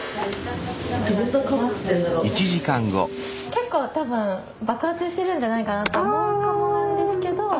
結構多分爆発してるんじゃないかなって思うかもなんですけど。